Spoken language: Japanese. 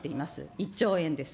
１兆円です。